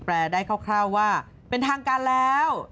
ได้คร่าวว่าเป็นทางการแล้ว